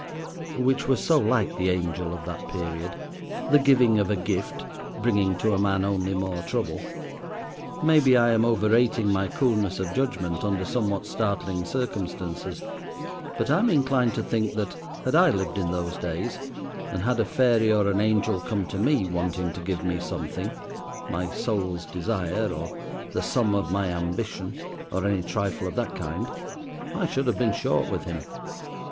Which was so like the angel of that period, the giving of a gift, bringing to a man only more trouble. Maybe I am overrating my coolness of judgment under somewhat startling circumstances, but I am inclined to think that, had I lived in those days, and had a fairy or an angel come to me, wanting to give me something—my soul's desire, or the sum of my ambition, or any trifle of that kind I should have been short with him.